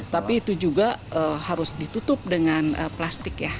tapi itu juga harus ditutup dengan plastik ya